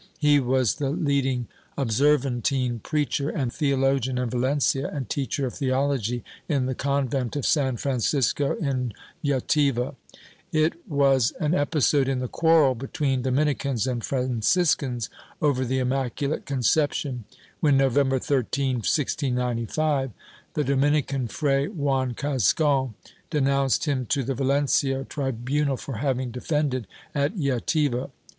He was the leading Observantine preacher and theologian in Valencia and teacher of theology in the convent of San Francisco in Jativa. It was an episode in the quarrel between Dominicans and Franciscans over the Immaculate Conception, when, November 13, 1695, the Domin ican Fray Juan Gascon denounced him to the Valencia tribunal 1 Modo de Proceder, fol. 67 (Bibl. nacional, MSS., D, 122).